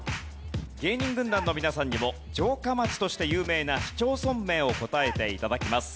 芸人軍団の皆さんにも城下町として有名な市町村名を答えて頂きます。